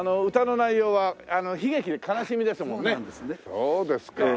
そうですか。